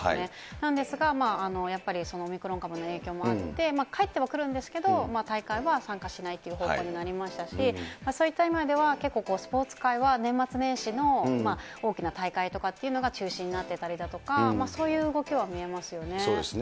なんですが、やっぱりオミクロン株の影響もあって、まあ帰ってはくるんですけど、大会は参加しないという方向になりましたし、そういった意味では、結構スポーツ界は年末年始の大きな大会とかっていうのが中止になってたりとか、そういう動きは見そうですね。